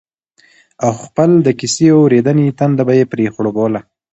او خپل د کيسې اورېدنې تنده به يې پرې خړوبوله